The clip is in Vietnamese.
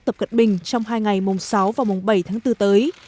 tập cận bình trong hai ngày mùng sáu và mùng bảy tháng bốn tới